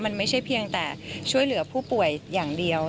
มันไม่ใช่เพียงแต่ช่วยเหลือผู้ป่วยอย่างเดียว